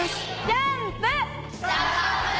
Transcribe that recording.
ジャンプ！